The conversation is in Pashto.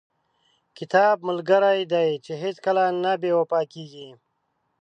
• کتاب ملګری دی چې هیڅکله نه بې وفا کېږي.